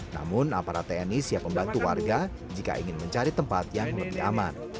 namun aparat tni siap membantu warga jika ingin mencari tempat yang lebih aman